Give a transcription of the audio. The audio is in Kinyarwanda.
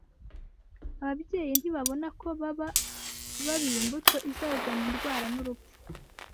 Ababyeyi ntibabona ko baba babiba imbuto izazana indwara n’urupfu.